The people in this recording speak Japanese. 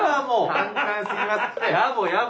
簡単すぎますって。